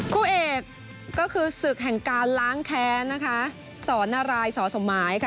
คู่เอกก็คือศึกแห่งการล้างแค้นนะคะสอนนารายสอสมหมายค่ะ